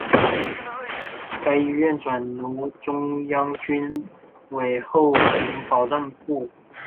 该医院转隶中央军委后勤保障部。